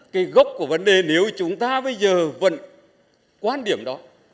cái gốc của vấn đề nếu chúng ta bây giờ vẫn quan điểm đó